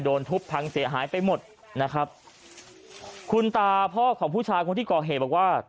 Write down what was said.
โดนทุบพังเสียหายไปหมดนะครับคุณตาพ่อของผู้ชายคนที่ก่อเหตุบอกว่า